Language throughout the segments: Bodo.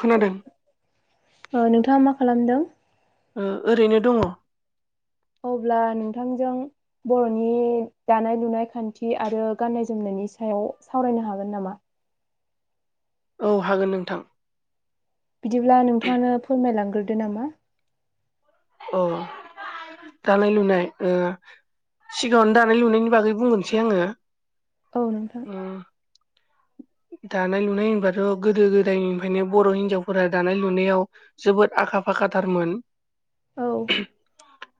खोनादों ओ नोंथाङा मा खालामदों ओ ओरैनो दङ अब्ला नोंथांजों बर'नि दानाय लुनाय खान्थि आरो गान्नाय जोमनायनि सायाव सावरायनो हागोन नामा औ हागोन नोंथां बिदिब्ला नोंथाङानो फोरमायलांग्रोदो नामा अ दानाय लुनाय ओ सिगाङावनो दानाय लुनायनि बागै बुंनोसै आङो औ नोंथां उम दानाय लुनाय होनबाथ' गोदो गोदायनिफ्रायनो बर' हिन्जावफोरा दानाय लुनायाव जोबोद आखा फाखाथारमोन औ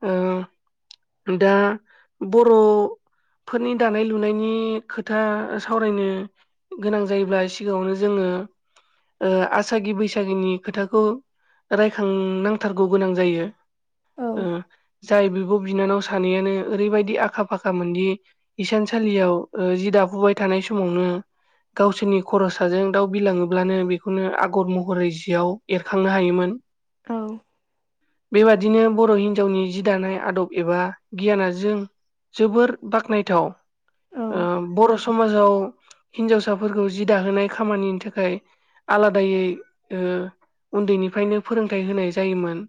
ओ दा बर' फोरनि दानाय लुनायनि खोथा सावरायनो गोनां जायोब्ला सिगाङावनो जोङो ओ आसागि बैसागिनि खोथाखौ रायखांनांथारगौ गोनां जायो ओ औ जाय बिब बिनानाव सानैयानो ओरैबायदि आखा फाखा मोनदि इसान सालियाव जि दाफुबाय थानाय समावनो गावसोरनि खर' साजों दाउ बिलाङोब्लानो बेखौनो आगर महरै जियाव एरखांनो हायोमोन औ बेबादिनो बर' हिनजावनि जि दानाय आदब एबा गियाना जों जोबोर बाखनायथाव ओ औ बर' समाजाव हिन्जावसाफोरखौ जि दाहोनाय खामानिनि थाखाय आलादायै ओ उन्दैनिफ्रायनो फोरोंथाइ होनाय जायोमोन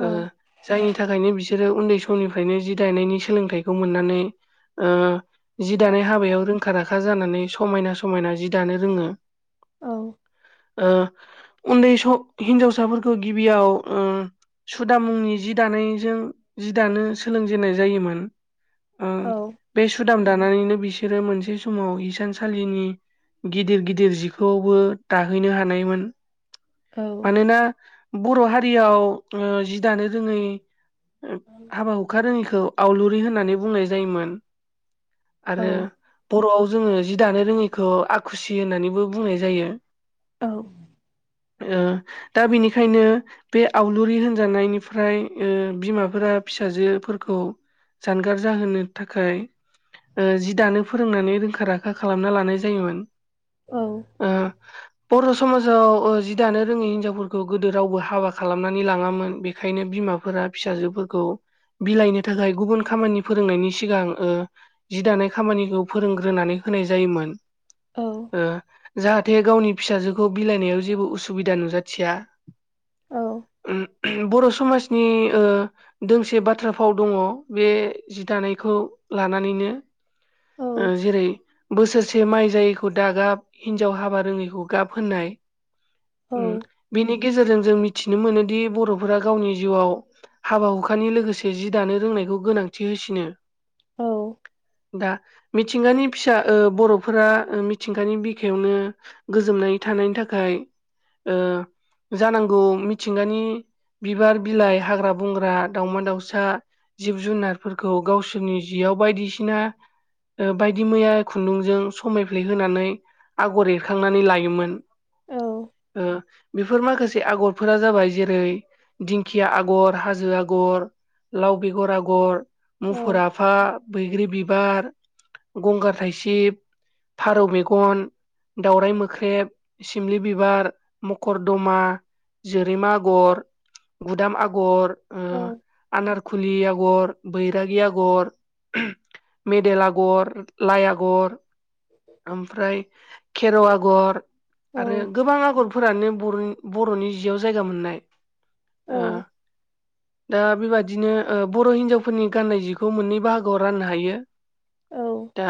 औ जायनि थाखायनो बिसोरो उन्दै समनिफ्रायनो जि दायनायनि सोलोंथाइखौ मोननानै ओ जि दानाय हाबायाव रोंखा राखा जानानै समायना समायना जि दानो रोङो ओ उन्दै स हिन्जावसाफोरखौ गिबियाव सुदामनि जि दानायजों जि दानो सोलोंजेन्नाय जायोमोन ओ औ बे सुदाम दानानैनो बिसोरो मोनसे समाव हिसानसालिनि गिदिर गिदिर जिखौबो दाहैनो हानायमोन औ मानोना बर' हारियाव ओ जि दानो रोङै हाबा हुखा रोङिखौ आवलुरि होननानै बुंनाय जायोमोन औ आरो बर'आव जोङो जि दानो रोङैखौ आखुसि होननानैबो बुंनाय जायो औ ओ दा बेनिखायनो बे आव लुरि होनजानायनिफ्राय बिमाफोरा फिसाजोफोरखौ जानगार जाहोनो थाखाय ओ जि दानो फोरोंनानै रोंखा राखा खालामना लानाय जायोमोन औ बर' समाजाव जि दानो रोङै हिनजावफोरखौ गोदो रावबो हाबा खालाम नानै लाङामोन बेखायनो बिमाफोरा फिसाजोफोरखौ बिलाइनो थाखाय गुबुन खामानि फोरोंनायनि सिगां जि दानाय खामानिखौ फोरोंग्रोनानै होनाय जायोमोन जाहाथे गावनि फिसाजोखौ बिलाइनायाव जेबो उसुबिदा नुजाथिया औ [inaudible] बर' समाजनि ओ दोंसे बाथ्रा फाव दङ बे जि दानायखौ लानानैनो ओ जेरै बोसोर से माइ जायैखौ दागाब हिनजाव हाबा रोङैखौ गाब होननाय औ बेनि गेजेरजों जों मिथिनो मोनोदि बर'फोरा गावनि जिउआव हाबा हुखानि लोगोसे जि दानो रोंनायखौ गोनांथि होसिनो औ दा मिथिंगानि फिसा बर'फोरा मिथिंगानि बिखायावनो गोजोमनानै थानायनि थाखाय जानांगौ मिथिंगानि बिबार बिलाइ हाग्रा बंग्रा दावमा दाउसा जिब जुनारफोरखौ गावसोरनि जियाव बायदिसिना बायदि मैया खुन्दुंजों समायफ्ले होनानै आगर एरखांनानै लायोमोन ओ बेफोर माखासे आगर फोरा जाबाय जेरै दिंखिया आगर हाजो आगर लाव बेगर आगर मुफुर आफा बैग्रि बिबार गंगार थाइसिब फारौ मेगन दावराइ मोख्रेब सिमलि बिबार मखर दमा जोरेमा आगर गुदाम आगर औ आनारखुलि आगर बैरागि आगर मेडेल आगर लाइ आगर ओमफ्राय खेर' आगर आरो गोबां आगरफोरानो बर बर'नि जियाव जायगा मोननाय औ ओ दा बेबादिनो बर' हिनजावफोरनि गाननाय जिखौ मोननै बाहागोआव राननो हायो औ दा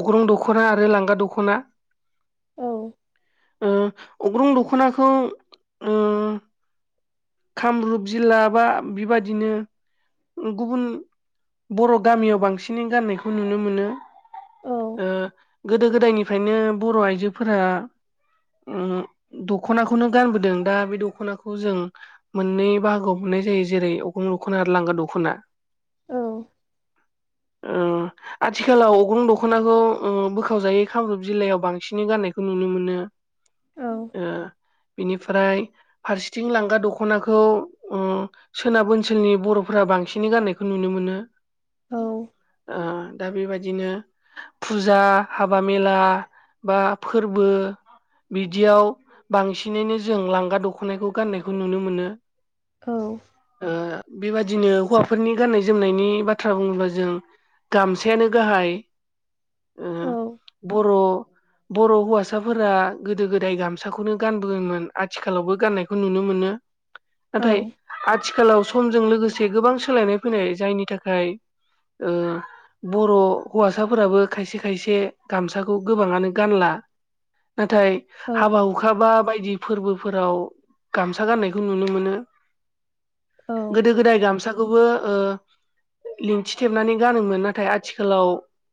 अग्रं दख'ना आरो लांगा दख'ना औ ओ अग्रं दख'नाखौ ओ कामरुप जिल्ला बा बेबादिनो गुबुन बर' गामियाव बांसिनै गाननायखौ नुनो मोनो ओ गोदो गोदायनि फ्रायनो बर' आइजोफोरा दख दखनाखौनो गानबोदों दा बे दखनाखौ जों मोननै बाहागोआव मोननाय जायो जेरै अग्रं दखना आरो लांगा दखना औ ओ आथिखालाव अग्रं दख'नाखौ बोखावजायै कामरुप जिल्लायाव बांसिनै गाननायखौ नुनो मोनो ओ बिनिफ्राय फारसिथिं लांगा दख'नाखौ सोनाब ओनसोलनि बर'फोरा बांसिनै गाननायखौ नुनो मोनो दा बेबायदिनो फुजा हाबा मेला बा फोरबो बिदियाव बांसिनैनो जों लांगा दख'नायखौ गाननायखौ नुनो मोनो बेबादिनो हौवाफोरनि गान्नाय जोमनायनि बाथ्रा बुङोब्ला जों गामसायानो गाहाय औ बर' बर' हौवासाफोरा गोदो गोदाय गामसाखौ नो गानबोदोंमोन आथिखालावबो गाननायखौ नुनो मोनो औ औ नाथाय आथि खालाव समजों लोगोसे गोबां सोलायनाय फैनाय जायनि थाखाय ओ बर' हौवासाफोराबो खायसे खायसे गामसाखौ गोबाङानो गानला नाथाय औ हाबा हुखाबा बायदि फोरबोफोराव गामसा गाननायखौ नुनो मोनो औ गोदो गोदाय गामसाखौबो ओ लिनथि थेबनानै गानोमोन नाथाय आथिखालाव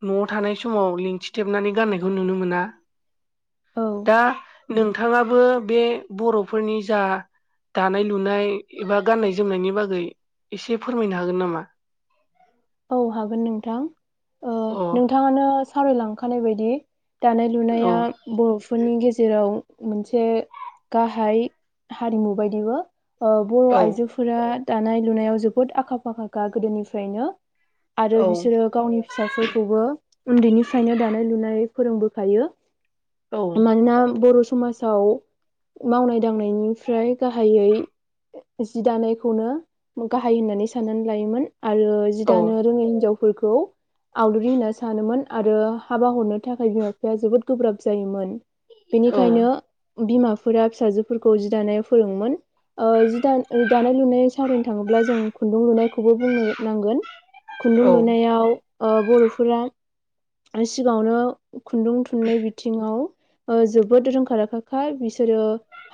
न'आव थानाय समाव लिंथिथेबनानै गाननायखौ नुनो मोना औ दा नोंथाङाबो बे बर'फोरनि जा दानाय लुनाय एबा गाननाय जोमनायनि बागै एसे फोरमायनो हागोन नामा औ हागोन नोंथां ओ अ नोंथाङानो सावरायलांखानाय बायदि दानाय औ लुनाया बर'फोरनि गेजेराव मोनसे गाहाय हारिमु बायदिबो ओ बर' औ आइजोफोरा दानाय लुनायाव जोबोद आखा फाखाखा गोदोनिफ्रायनो आरो औ बिसोरो गावनि फिसाफोरखौबो उन्दैनिफ्रायनो दानाय लुनाय फोरोंबोखायो औ मानोना बर' समाजाव मावनाय दांनायनिफ्राय गाहायै जि दानायखौनो गाहाय होननानै साननानै लायोमोन आरो जि औ दानो रोङै हिनजाव फोरखौ आवलुरि होनना सानोमोन आरो हाबा हरनो थाखाय बिमा बिफाया जोबोद गोब्राब जायोमोन बेनिखायनो बिमाफोरा फिसाजोफोरखौ जि दानायाव फोरोङोमोन ओ जि दा दानाय लुनाय सावरायनो थाङोब्ला जों खुन्दुं लुनायखौबो बुंनो नांगोन खुन्दुं औ लुनायाव ओ बर'फोरा सिगाङावनो खुन्दुं थुननाय बिथिङाव जोबोद रोंखा राखाखा बिसोरो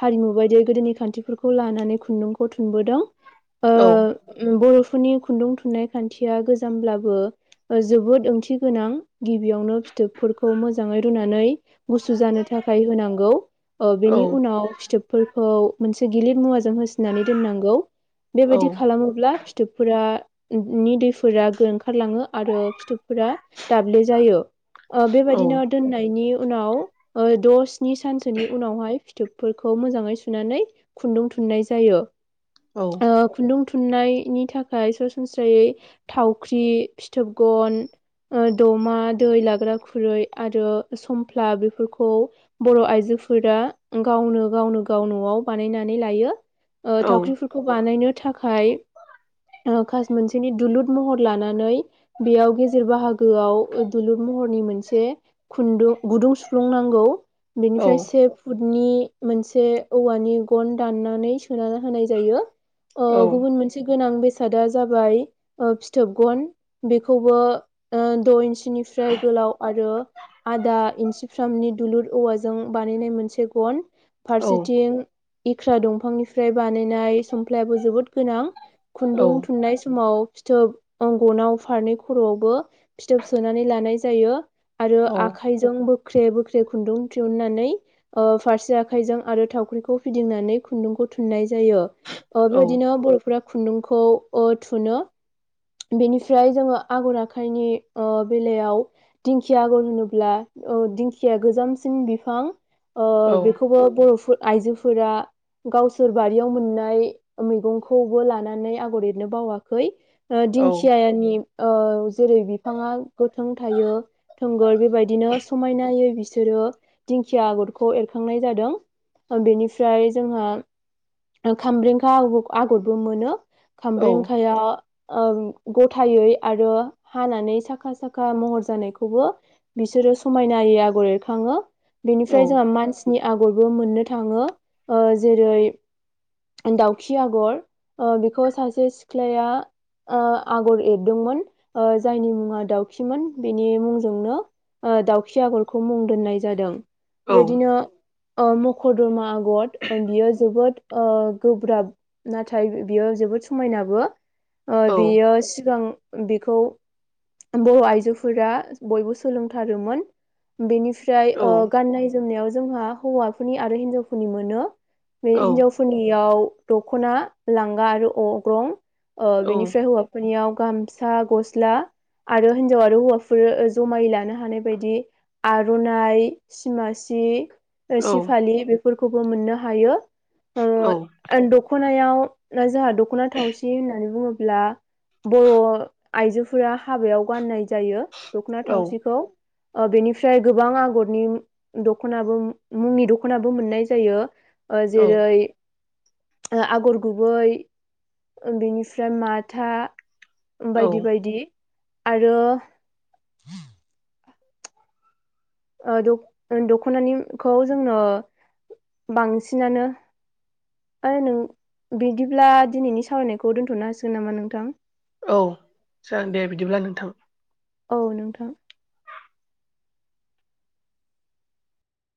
हारिमु बायदियै गोदोनि खान्थिफोरखौ लानानै खुन्दुंखौ थुनबोदों ओ औ बर'फोरनि खुन्दुं थुननाय खान्थिया गोजामब्लाबो जोबोद ओंथि गोनां गिबियावनो फिथोबफोरखौ मोजाङै रुनानै गुसु जानो थाखाय होनांगौ बेनि उनाव फिथोब फोरखौ मोनसे गिलिर मुवाजों होसिनानै दोननांगौ औ बेबायदि खालामोब्ला फिथोबफोरा नि दैफोरा ओंखारलाङो आरो फिथोबफोरा दाब्ले जायो। ओ औ बेबायदिनो दोननायनि उनाव ओ द' स्नि सानसोनि उनावहाय फिथोबफोरखौ मोजाङै सुनानै खुन्दुं थुननाय जायो। औ ओ खुन्दुं थुननायनि थाखाय सरासनस्रायै थावख्रि फिथोब गन ओ दमा दै लाग्रा खुरै आरो समफ्ला बेफोरखौ बर' आइजोफोरा गावनो गावनो गाव न'आव बानायनानै लायो ओ थावख्रिफोरखौ बानायनो थाखाय ओ मोनसेनि दुलुर महर लानानै बेयाव गेजेर बाहागोआव दुलुर महरनि मोनसे खुन्दुं गुदुं सुफ्लुंनांगौ बेनिफ्राय सेफ फुटनि मोनसे औवानि गन दाननानै सोना होनाय जायो। ओ गुबुन मोनसे गोनां बेसादा जाबाय ओ फिथोब गन बेखौबो द बेनिफ्राय गोलाव आरो आदा फ्रामनि दुलुर औवाजों बानायनाय मोनसे गन फारसेथिं इख्रा दंफांनिफ्राय बानायनाय समफ्लायाबो जोबोद गोनां खुन्दुं मोननाय समाव फिथोब गनाव फारनै खर'आवबो फिथोब सोनानै लानाय जायो आरो औ औ आखाय जों बोख्रे बोख्रे खुन्दुं दिहुननानै फारसे आखाइजों आरो थावख्रिखौ फिदिंनानै खुन्दुंखौ थुननाय जायो ओ औ बेबायदिनो बर'फोरा खुन्दुंखौ ओ थुनो बेनिफ्राय जोङो आगर आखाइनि बेलायाव दिंखिया आगर होनोब्ला औ दिंखिया गोजामसिन बिफां ओ बेखौबो बर'फोर आइजोफोरा गावसोर बारियाव मोननाय मैगंखौबो लानानै आगर ए रनो बावाखै दिंखियानि जेरै बिफाङा गोथों थायो थोंगोर बेबायदिनो समायनायै बिसोरो दिंखिया आगरखौ एरखांनाय जादों बेनिफ्राय जोंहा खामब्रैेंखा आगरबो मोनो खामब्रेंखाया गथायै आरो हानानै साखा साखा महर जानायखौबो बिसोरो समायनायै आगर एरखाङो बेनिफ्राय जोंहा मानसिनि आगरबो मोननो थाङो ओ जेरै दाउखि आगर बेखौ सासे सिख्लाया आगर एरदोंमोन जायनि मुङा दाउखिमोन बेनि मुंजोंनो दाउखि आगरखौ मुं दोननाय जादों। बेदिनो मकरदमा आगर बियो जोबोद गोब्राब नाथाय बियो जोबोद समायनाबो बेयो सिगां बेखौ बर' आइजोफोरा बयबो सोलोंथारोमोन बेनि फ्राय औ गाननाय जोमनायाव जोंहा हौवाफोरनि आरो हिनजावफोरनि मोनो बे औ हिनजाव फोरनियाव दख'ना लांगा आरो अग्रं ओ औ बेनिफ्राय हौवा फोरनियाव गामसा गस्ला आरो हिनजाव आरो हौवाफोर जमायै लानो हानाय बायदि आर'नाइ सिमासि सि फालि बेफोरखौबो मोननो हायो ओ औ दखनायाव जोंहा दख'ना थावसि होननानै बुङोब्ला बर' आइजोफोरा हाबायाव गाननाय जायो दख'ना औ थावसिखौ बेनिफ्राय गोबां आगरनि दखनाबो मुंनि दखनाबो मोननाय जायो औ जेरै आगर गुबै बेनिफ्राय माथा औ बायदि बायदि आरो ओ दख'नानिखौ जोङो बांसिनानो ओ नों बिदिब्ला दिनैनि सावरायनायखौ दोन्थ'नो हासिगोन नामा नोंथां औ जागोन दे बिदिब्ला नोंथां औ नोंथां